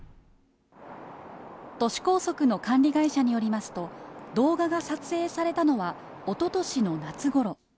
都市高速の管理会社によりますと、動画が撮影されたのはおととしの夏ごろ。